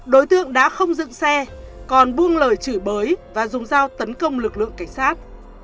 đối tượng đã không dựng xe còn buông lời chửi bới và dùng dao tấn công lực lượng cảnh sát